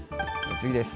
次です。